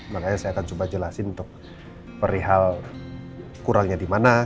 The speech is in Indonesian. makanya saya akan coba jelasin untuk perihal kurangnya di mana